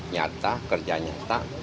nyata kerja nyata